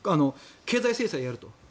経済制裁をやると。